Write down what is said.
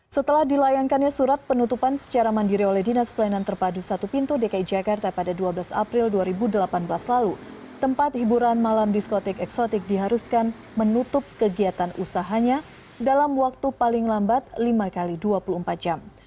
setelah dilayangkannya surat penutupan secara mandiri oleh dinas pelayanan terpadu satu pintu dki jakarta pada dua belas april dua ribu delapan belas lalu tempat hiburan malam diskotik eksotik diharuskan menutup kegiatan usahanya dalam waktu paling lambat lima x dua puluh empat jam